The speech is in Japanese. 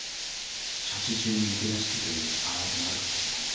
処置中に抜け出してという荒業もあるかもしれません。